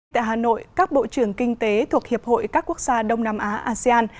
tại hà nội các bộ trưởng kinh tế thuộc hiệp hội các quốc gia đông nam á asean